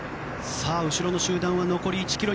後ろの集団は残り１ｋｍ。